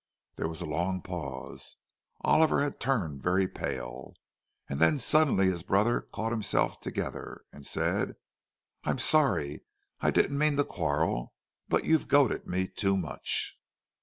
There was a long pause. Oliver had turned very pale. And then suddenly his brother caught himself together, and said: "I'm sorry. I didn't mean to quarrel, but you've goaded me too much.